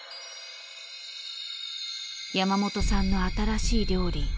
山本さんの新しい料理。